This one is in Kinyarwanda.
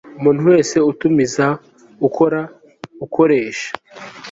Umuntu wese utumiza ukora ukoresha